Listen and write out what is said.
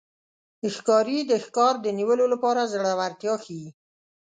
ښکاري د ښکار د نیولو لپاره زړورتیا ښيي.